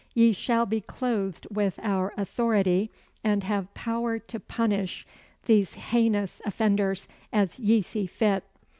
Ye shall be clothed with our authority, and have power to punish these heinous offenders as ye see fit.